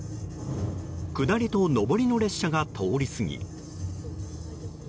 下りと上りの列車が通り過ぎ。